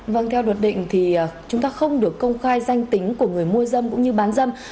vâng theo luật định thì chúng ta không được công khai danh tính của người mua dâm cũng như bán dâm